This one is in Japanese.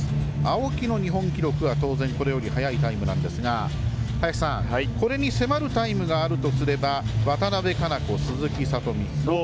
青木の日本記録は当然これより早いタイムなんですが林さん、これに迫るタイムがあるとすれば渡部香生子、鈴木聡美。